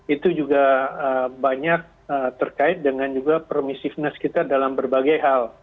itu juga banyak terkait dengan juga permissiveness kita dalam berbagai hal